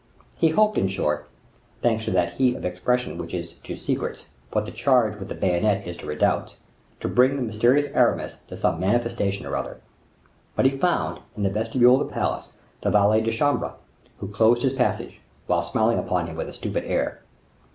He hoped, in short—thanks to that heat of expression which is to secrets what the charge with the bayonet is to redoubts—to bring the mysterious Aramis to some manifestation or other. But he found, in the vestibule of the palace, the valet de chambre, who closed his passage, while smiling upon him with a stupid air.